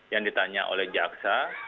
yang ditanya oleh jaxa